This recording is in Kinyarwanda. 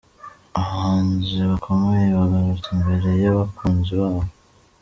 Abahanzi bakomeye bagarutse imbere y’abakunzi babo.